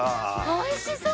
おいしそう！